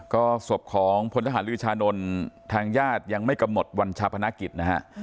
ก็ศพของพลทหารลือชานนท์ทางญาติยังไม่กำหนดวันชาพนักกิจนะฮะ